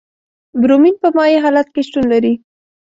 برومین په مایع حالت کې شتون لري.